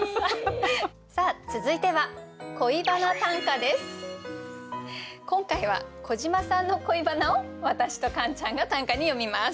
さあ続いては今回は小島さんの恋バナを私とカンちゃんが短歌に詠みます。